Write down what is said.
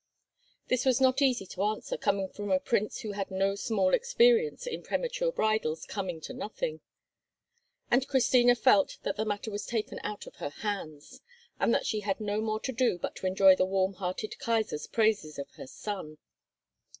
This was not easy to answer, coming from a prince who had no small experience in premature bridals coming to nothing, and Christina felt that the matter was taken out of her hands, and that she had no more to do but to enjoy the warm hearted Kaisar's praises of her son.